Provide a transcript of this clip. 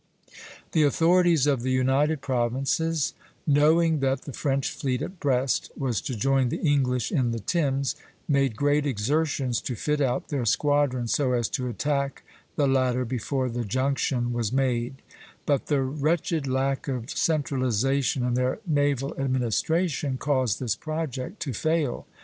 The authorities of the United Provinces, knowing that the French fleet at Brest was to join the English in the Thames, made great exertions to fit out their squadron so as to attack the latter before the junction was made; but the wretched lack of centralization in their naval administration caused this project to fail.